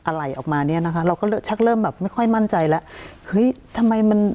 อะไรออกมาเนี้ยนะคะเราก็ชักเริ่มแบบไม่ค่อยมั่นใจแล้วเฮ้ยทำไมมัน